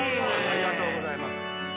ありがとうございます。